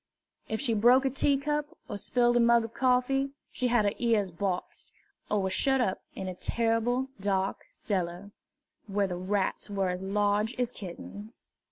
If she broke a teacup or spilled a mug of coffee, she had her ears boxed, or was shut up in a terrible dark cellar, where the rats were as large as kittens.